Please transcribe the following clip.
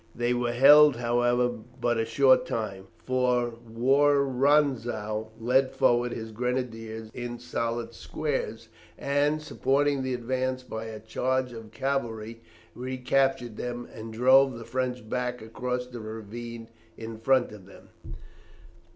They were held, however, but a short time, for Woronzow led forward his grenadiers in solid squares, and, supporting the advance by a charge of cavalry, recaptured them, and drove the French back across the ravine in front of them.